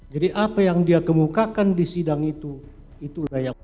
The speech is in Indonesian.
jadi apa yang dia kemukakan di sidang itu itulah yang